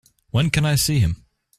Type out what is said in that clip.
When can I see him?